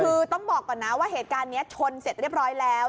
คือต้องบอกก่อนนะว่าเหตุการณ์นี้ชนเสร็จเรียบร้อยแล้ว